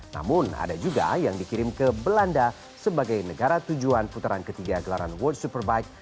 namun ada juga yang dikirim ke belanda sebagai negara tujuan putaran ketiga gelaran world superbike